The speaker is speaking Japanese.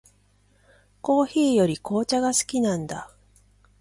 コーヒーより紅茶が好きなんだ。